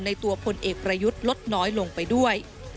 ตัวพลเอกประยุทธ์ลดน้อยลงไปด้วย